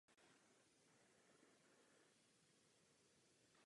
Tento sen se začal pomalu naplňovat.